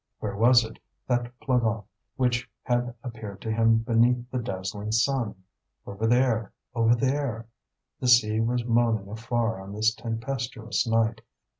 Where was it, that Plogof which had appeared to him beneath the dazzling sun? Over there, over there! The sea was moaning afar on this tempestuous night.